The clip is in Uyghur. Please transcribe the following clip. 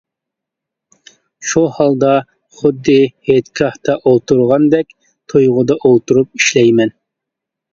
شۇ ھالدا، خۇددى ھېيتگاھتا ئولتۇرغاندەك تۇيغۇدا ئولتۇرۇپ ئىشلەيمەن.